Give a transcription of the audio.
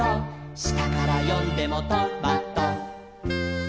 「したからよんでもト・マ・ト」